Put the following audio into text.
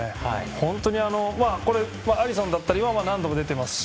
本当に、これはアリソンだったり何度も出ていますし。